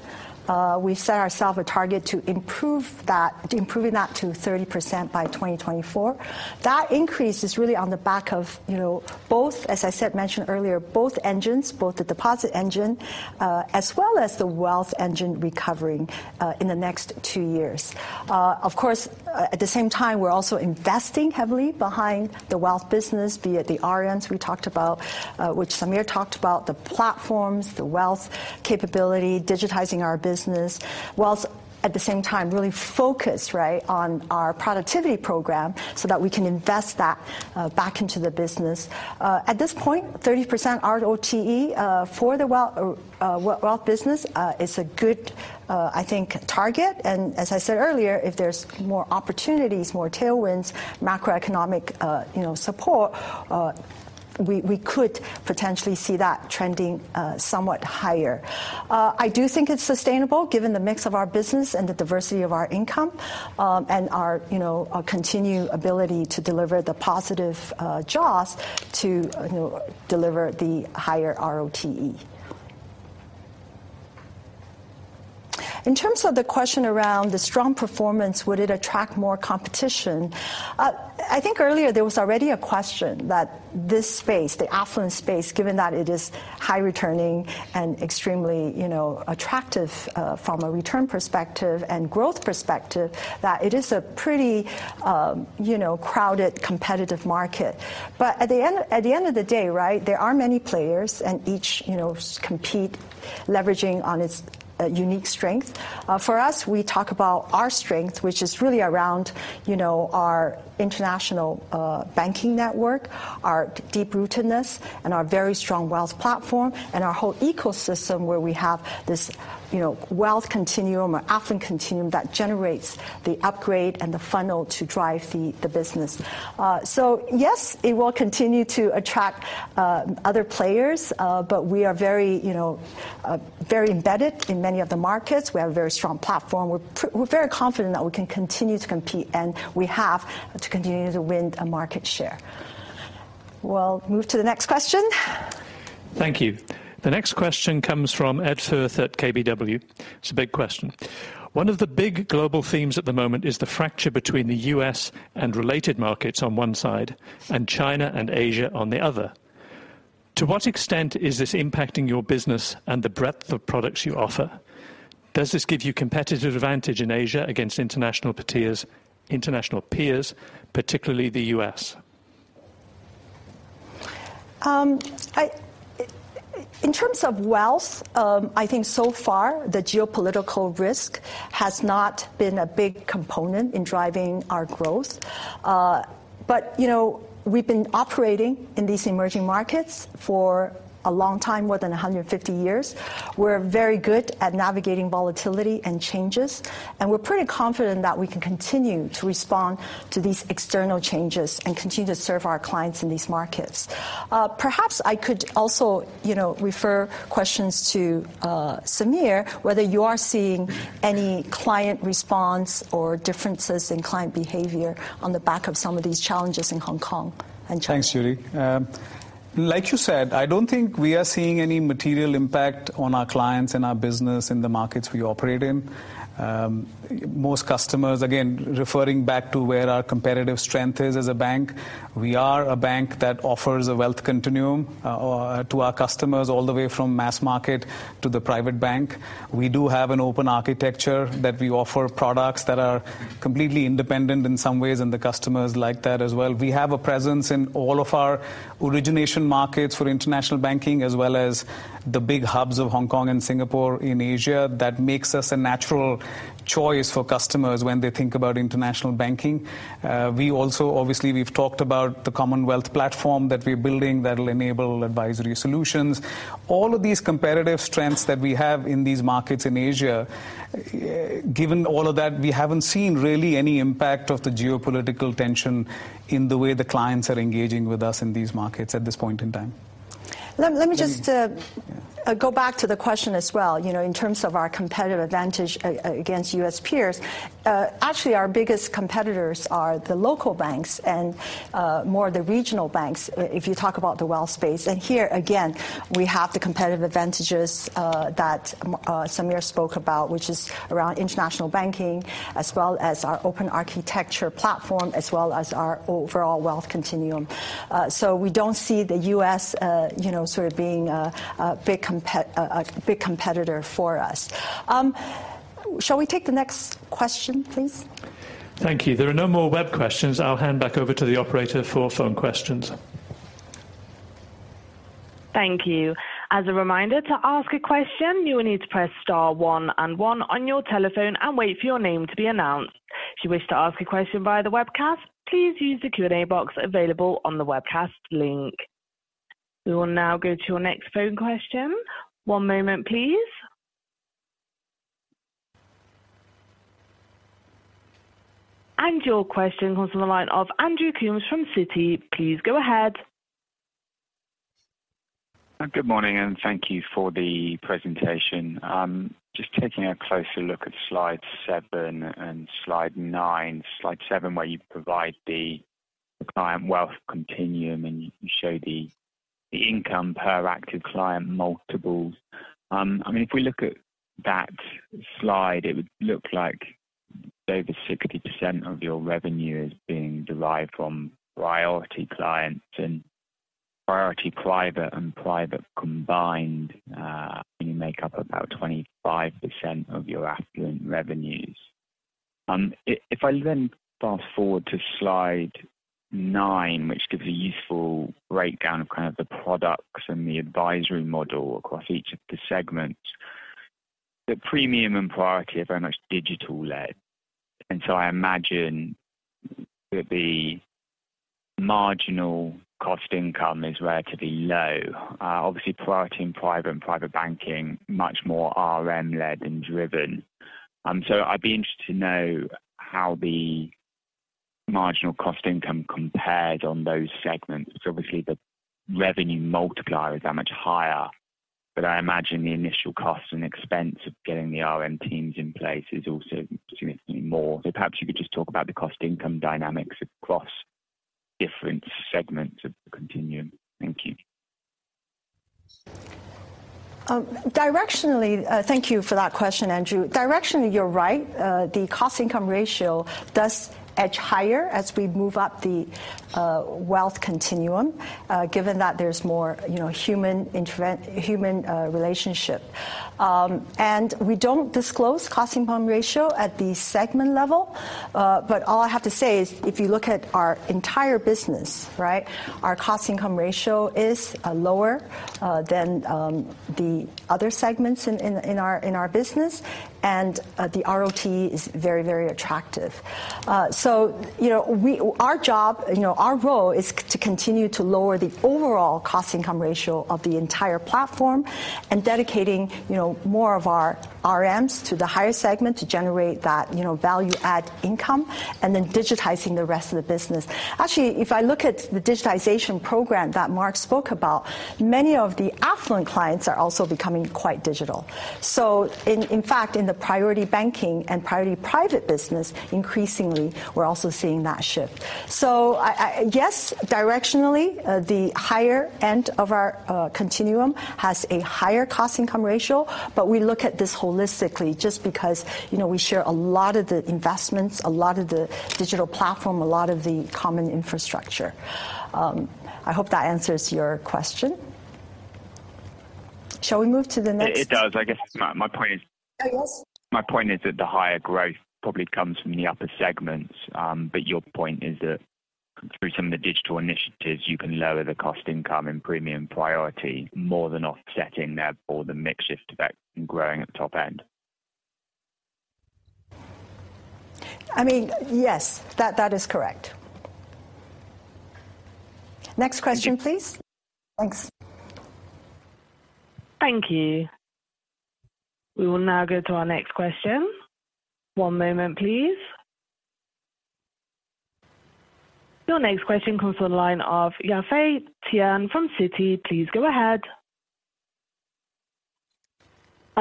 Speaker 1: We set ourself a target to improving that to 30% by 2024. That increase is really on the back of, you know, both, as I said, mentioned earlier, both engines, both the deposit engine, as well as the wealth engine recovering in the next two years. Of course, at the same time, we're also investing heavily behind the wealth business, be it the RMs we talked about, which Samir talked about, the platforms, the wealth capability, digitizing our business, whilst at the same time really focused, right, on our productivity program so that we can invest that back into the business. At this point, 30% ROTE for the wealth business is a good, I think, target. As I said earlier, if there's more opportunities, more tailwinds, macroeconomic, you know, support, we could potentially see that trending somewhat higher. I do think it's sustainable given the mix of our business and the diversity of our income, and our, you know, our continued ability to deliver the positive Jaws to, you know, deliver the higher ROTE. In terms of the question around the strong performance, would it attract more competition? I think earlier there was already a question that this space, the affluent space, given that it is high returning and extremely, you know, attractive, from a return perspective and growth perspective, that it is a pretty, you know, crowded, competitive market. At the end, at the end of the day, right, there are many players and each, you know, compete leveraging on its unique strength. For us, we talk about our strength, which is really around, you know, our international banking network, our deep-rootedness and our very strong wealth platform and our whole ecosystem where we have this, you know, wealth continuum or affluent continuum that generates the upgrade and the funnel to drive the business. Yes, it will continue to attract other players, we are very, you know, very embedded in many of the markets. We have a very strong platform. We're very confident that we can continue to compete, and we have to continue to win a market share. We'll move to the next question.
Speaker 11: Thank you. The next question comes from Ed Firth at KBW. It's a big question. One of the big global themes at the moment is the fracture between the U.S. and related markets on one side and China and Asia on the other. To what extent is this impacting your business and the breadth of products you offer? Does this give you competitive advantage in Asia against international peers, particularly the U.S.?
Speaker 1: In terms of wealth, I think so far the geopolitical risk has not been a big component in driving our growth. you know, we've been operating in these emerging markets for a long time, more than 150 years. We're very good at navigating volatility and changes, and we're pretty confident that we can continue to respond to these external changes and continue to serve our clients in these markets. perhaps I could also, you know, refer questions to Samir, whether you are seeing any client response or differences in client behavior on the back of some of these challenges in Hong Kong and China.
Speaker 5: Thanks, Judy. Like you said, I don't think we are seeing any material impact on our clients and our business in the markets we operate in. Most customers, again, referring back to where our competitive strength is as a bank, we are a bank that offers a wealth continuum to our customers all the way from mass market to the Private Bank. We do have an open architecture that we offer products that are completely independent in some ways, and the customers like that as well. We have a presence in all of our origination markets for international banking, as well as the big hubs of Hong Kong and Singapore in Asia that makes us a natural choice for customers when they think about international banking. We also, obviously, we've talked about the Commonwealth platform that we're building that'll enable advisory solutions. All of these competitive strengths that we have in these markets in Asia, given all of that, we haven't seen really any impact of the geopolitical tension in the way the clients are engaging with us in these markets at this point in time.
Speaker 1: Let me just go back to the question as well, you know, in terms of our competitive advantage against U.S. peers. Actually, our biggest competitors are the local banks and more the regional banks, if you talk about the wealth space. Here, again, we have the competitive advantages that Samir spoke about, which is around international banking, as well as our open architecture platform, as well as our overall wealth continuum. We don't see the U.S., you know, sort of being a big competitor for us. Shall we take the next question, please?
Speaker 11: Thank you. There are no more web questions. I'll hand back over to the operator for phone questions.
Speaker 6: Thank you. As a reminder, to ask a question, you will need to press star one and one on your telephone and wait for your name to be announced. If you wish to ask a question via the webcast, please use the Q&A box available on the webcast link. We will now go to our next phone question. One moment, please. Your question comes from the line of Andrew Coombs from Citi. Please go ahead.
Speaker 12: Good morning, thank you for the presentation. Just taking a closer look at slide 7 and slide 9. Slide 7, where you provide the client wealth continuum, you show the income per active client multiples. I mean, if we look at that slide, it would look like over 60% of your revenue is being derived from Priority Banking clients and Priority Private and Private Bank combined, I mean, make up about 25% of your affluent revenues. If I fast-forward to slide 9, which gives a useful breakdown of kind of the products and the advisory model across each of the segments. The Premium Banking and Priority Banking are very much digital-led, I imagine that the marginal cost income is relatively low. Obviously, Priority Banking and Private Bank, much more RM-led and driven. I'd be interested to know how the marginal cost income compared on those segments. Obviously the revenue multiplier is that much higher, but I imagine the initial cost and expense of getting the RM teams in place is also significantly more. Perhaps you could just talk about the cost income dynamics across different segments of the continuum. Thank you.
Speaker 1: Directionally, thank you for that question, Andrew. Directionally, you're right. The cost income ratio does edge higher as we move up the wealth continuum, given that there's more, you know, human relationship. We don't disclose cost income ratio at the segment level, but all I have to say is, if you look at our entire business, right? Our cost income ratio is lower than the other segments in our business. The ROTE is very, very attractive. You know, our job, you know, our role is to continue to lower the overall cost income ratio of the entire platform and dedicating, you know, more of our RMs to the higher segment to generate that, you know, value add income and then digitizing the rest of the business. Actually, if I look at the digitization program that Mark spoke about, many of the affluent clients are also becoming quite digital. In fact, in the Priority Banking and Priority Private business, increasingly, we're also seeing that shift. Yes, directionally, the higher end of our continuum has a higher cost income ratio, but we look at this holistically just because, you know, we share a lot of the investments, a lot of the digital platform, a lot of the common infrastructure. I hope that answers your question. Shall we move to the next-
Speaker 12: It does. I guess my point is.
Speaker 1: Yes.
Speaker 12: My point is that the higher growth probably comes from the upper segments, but your point is that through some of the digital initiatives, you can lower the cost income and premium priority more than offsetting therefore the mix shift effect growing at the top end.
Speaker 1: I mean, yes, that is correct. Next question, please. Thanks.
Speaker 6: Thank you. We will now go to our next question. One moment, please. Your next question comes from the line of Yafei Tian from Citi. Please go ahead.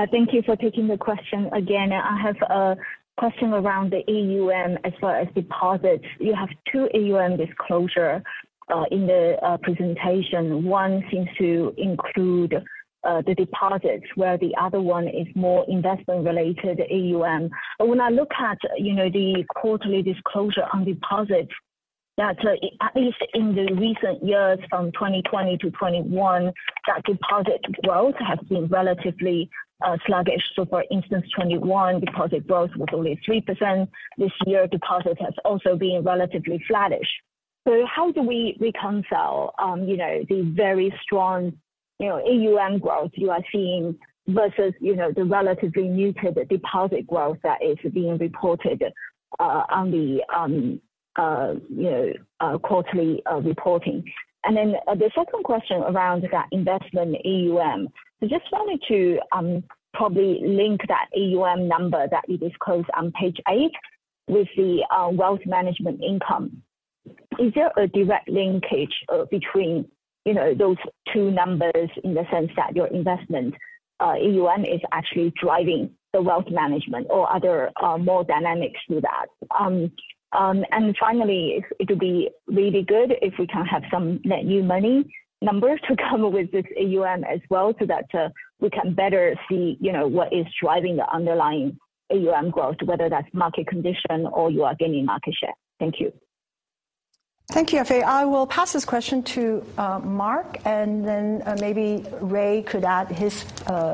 Speaker 8: Thank you for taking the question again. I have a question around the AUM as well as deposits. You have two AUM disclosure in the presentation. One seems to include the deposits while the other one is more investment related AUM. When I look at, you know, the quarterly disclosure on deposits, that at least in the recent years, from 2020 to 2021, that deposit growth has been relatively sluggish. For instance, 2021 deposit growth was only 3%. This year, deposit has also been relatively flattish. How do we reconcile, you know, the very strong, you know, AUM growth you are seeing versus, you know, the relatively muted deposit growth that is being reported on the quarterly reporting? The second question around that investment AUM. I just wanted to probably link that AUM number that you disclosed on page eight with the wealth management income. Is there a direct linkage between, you know, those two numbers in the sense that your investment AUM is actually driving the wealth management or are there more dynamics to that? Finally, it would be really good if we can have some net new money numbers to come with this AUM as well, so that we can better see, you know, what is driving the underlying AUM growth, whether that's market condition or you are gaining market share. Thank you.
Speaker 1: Thank you, Yafei. I will pass this question to Marc, and then maybe Ray could add his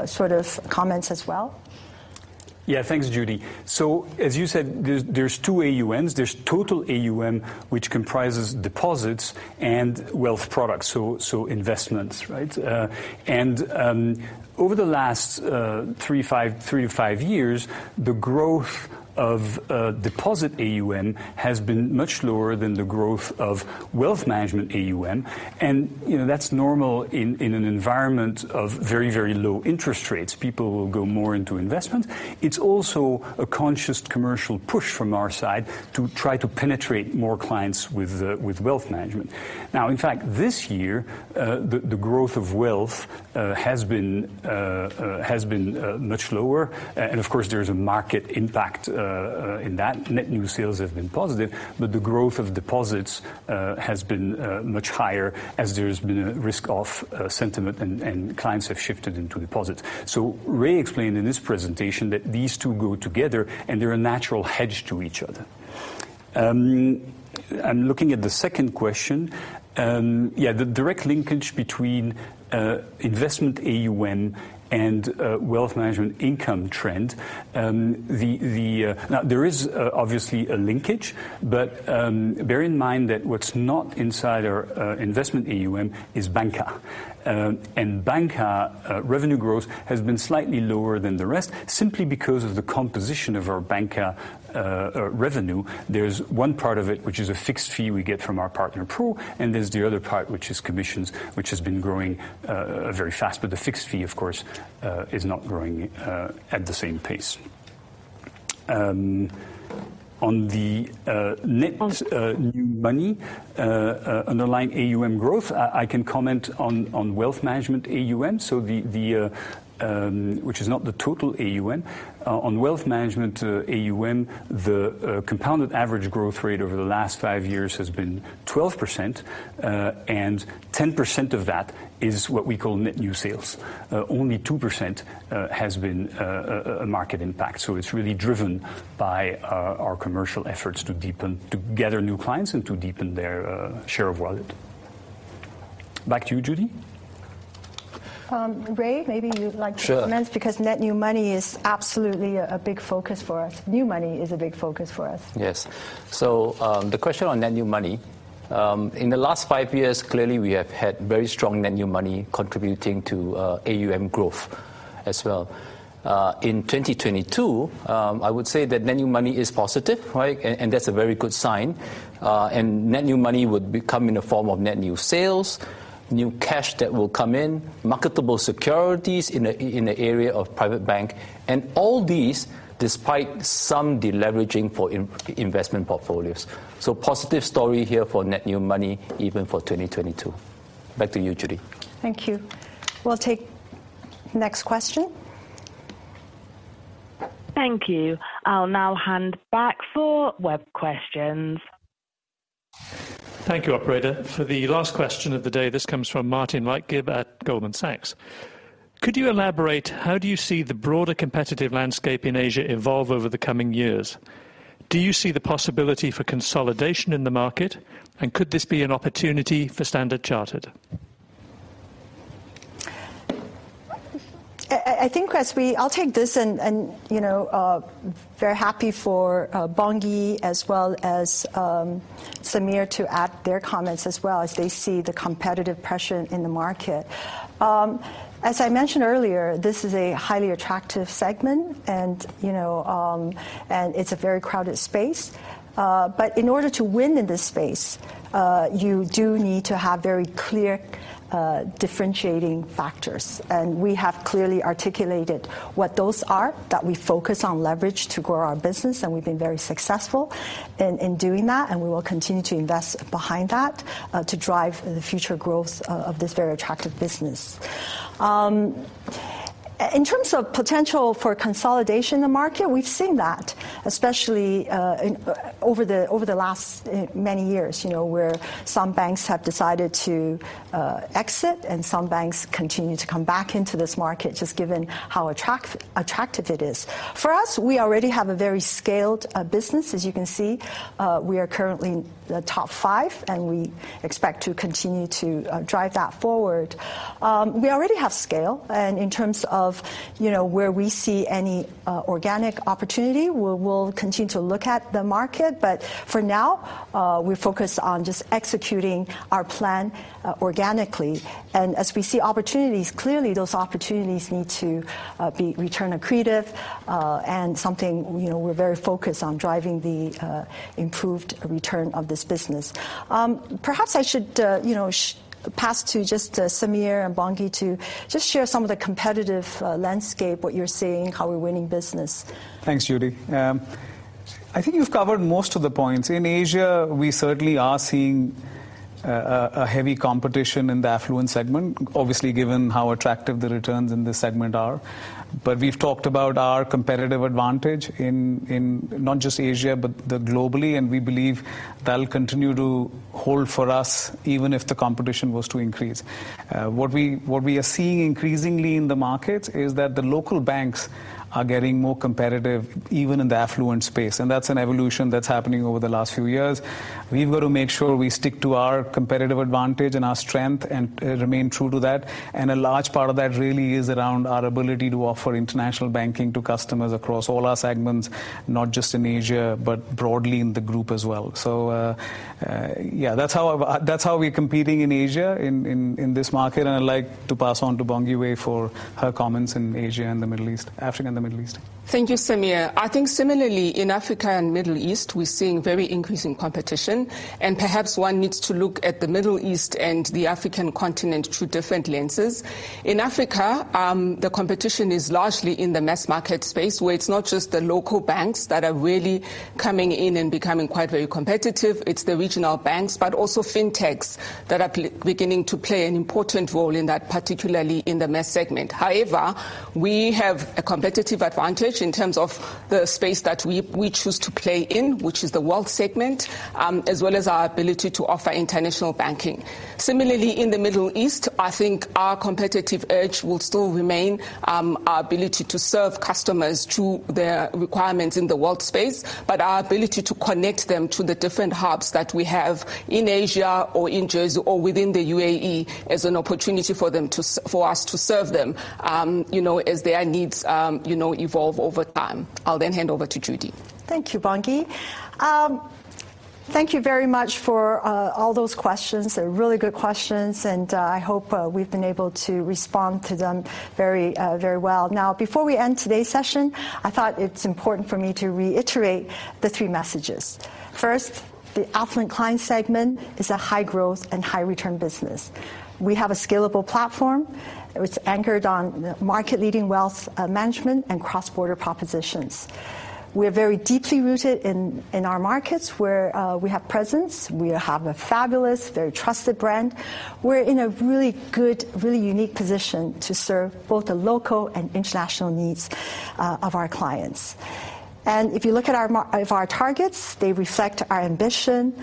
Speaker 1: sort of comments as well.
Speaker 3: Yeah. Thanks, Judy. As you said, there's 2 AUMs. There's total AUM, which comprises deposits and wealth products, so investments, right? Over the last 3, 5, 3-5 years, the growth of deposit AUM has been much lower than the growth of wealth management AUM and, you know, that's normal in an environment of very, very low interest rates. People will go more into investment. It's also a conscious commercial push from our side to try to penetrate more clients with wealth management. In fact, this year, the growth of wealth has been much lower. Of course, there's a market impact in that. Net new sales have been positive, but the growth of deposits, has been much higher as there's been a risk of sentiment and clients have shifted into deposits. Ray explained in his presentation that these two go together, and they're a natural hedge to each other. I'm looking at the second question. Yeah, the direct linkage between investment AUM and wealth management income trend. There is obviously a linkage, but bear in mind that what's not inside our investment AUM is banca. Banca revenue growth has been slightly lower than the rest simply because of the composition of our banca revenue. There's one part of it, which is a fixed fee we get from our partner pool, and there's the other part, which is commissions, which has been growing very fast. The fixed fee, of course, is not growing at the same pace. On the net new money underlying AUM growth, I can comment on wealth management AUM, so the which is not the total AUM. On wealth management AUM, the compounded average growth rate over the last 5 years has been 12%, and 10% of that is what we call net new sales. Only 2% has been a market impact. It's really driven by our commercial efforts to gather new clients and to deepen their share of wallet. Back to you, Judy.
Speaker 1: Ray, maybe you'd like to comment-
Speaker 2: Sure.
Speaker 1: Net new money is absolutely a big focus for us. New money is a big focus for us.
Speaker 2: Yes. The question on net new money in the last 5 years, clearly we have had very strong net new money contributing to AUM growth as well. In 2022, I would say that net new money is positive, right? That's a very good sign. Net new money would come in the form of net new sales, new cash that will come in, marketable securities in the area of Private Bank, and all these, despite some deleveraging for in-investment portfolios. Positive story here for net new money, even for 2022. Back to you, Judy.
Speaker 1: Thank you. We'll take next question.
Speaker 6: Thank you. I'll now hand back for web questions.
Speaker 11: Thank you, operator. For the last question of the day, this comes from Martin Leitgeb at Goldman Sachs. Could you elaborate, how do you see the broader competitive landscape in Asia evolve over the coming years? Do you see the possibility for consolidation in the market, and could this be an opportunity for Standard Chartered?
Speaker 1: I'll take this and, you know, very happy for Bongiwe as well as Samir to add their comments as well as they see the competitive pressure in the market. As I mentioned earlier, this is a highly attractive segment and, you know, and it's a very crowded space. In order to win in this space, you do need to have very clear differentiating factors. We have clearly articulated what those are that we focus on leverage to grow our business, and we've been very successful in doing that, and we will continue to invest behind that to drive the future growth of this very attractive business. In terms of potential for consolidation in the market, we've seen that, especially, over the last many years, you know, where some banks have decided to exit and some banks continue to come back into this market, just given how attractive it is. For us, we already have a very scaled business. As you can see, we are currently the top five, and we expect to continue to drive that forward. We already have scale, and in terms of, you know, where we see any organic opportunity, we'll continue to look at the market. But for now, we focus on just executing our plan organically. As we see opportunities, clearly those opportunities need to be return accretive and something, you know, we're very focused on driving the improved return of this business. Perhaps I should, you know, pass to just Samir and Bongiwe to just share some of the competitive landscape, what you're seeing, how we're winning business.
Speaker 5: Thanks, Judy. I think you've covered most of the points. In Asia, we certainly are seeing a heavy competition in the affluent segment, obviously given how attractive the returns in this segment are. We've talked about our competitive advantage in not just Asia, but globally, and we believe that'll continue to hold for us even if the competition was to increase. What we are seeing increasingly in the markets is that the local banks are getting more competitive, even in the affluent space, and that's an evolution that's happening over the last few years. We've got to make sure we stick to our competitive advantage and our strength and remain true to that. A large part of that really is around our ability to offer international banking to customers across all our segments, not just in Asia, but broadly in the group as well. Yeah, that's how that's how we're competing in Asia in, in this market. I'd like to pass on to Bongiwe for her comments in Asia and the Middle East-- Africa and the Middle East.
Speaker 4: Thank you, Samir. I think similarly in Africa and Middle East, we're seeing very increasing competition, perhaps one needs to look at the Middle East and the African continent through different lenses. In Africa, the competition is largely in the mass market space, where it's not just the local banks that are really coming in and becoming quite very competitive, it's the regional banks, but also fintechs that are beginning to play an important role in that, particularly in the mass segment. However, we have a competitive advantage in terms of the space that we choose to play in, which is the wealth segment, as well as our ability to offer international banking. Similarly, in the Middle East, I think our competitive edge will still remain, our ability to serve customers to their requirements in the wealth space, but our ability to connect them to the different hubs that we have in Asia or in Jersey or within the UAE as an opportunity for us to serve them, you know, as their needs, you know, evolve over time. I'll then hand over to Judy.
Speaker 1: Thank you, Bongiwe. Thank you very much for all those questions. They're really good questions. I hope we've been able to respond to them very well. Now, before we end today's session, I thought it's important for me to reiterate the three messages. First, the affluent client segment is a high-growth and high-return business. We have a scalable platform. It's anchored on market-leading wealth management and cross-border propositions. We are very deeply rooted in our markets where we have presence. We have a fabulous, very trusted brand. We're in a really good, really unique position to serve both the local and international needs of our clients. If you look at our targets, they reflect our ambition,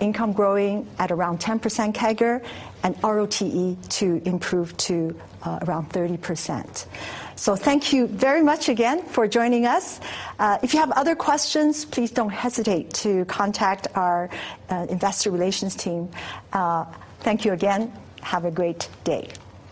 Speaker 1: income growing at around 10% CAGR, and ROTE to improve to around 30%. Thank you very much again for joining us. If you have other questions, please don't hesitate to contact our investor relations team. Thank you again. Have a great day.